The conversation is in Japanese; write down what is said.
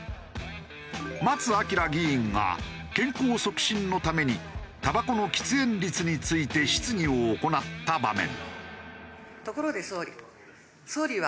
松あきら議員が健康促進のためにタバコの喫煙率について質疑を行った場面。